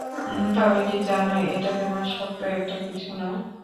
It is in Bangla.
তবে কী জানো এটা তেমন শক্ত একটা কিছু নয়।